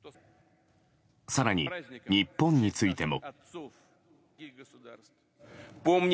更に、日本についても。